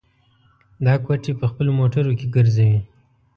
دا کوټې په خپلو موټرو کې ګرځوي.